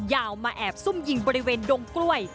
ยาวมาแอบซุ่มยิงบริเวณดงกล้วย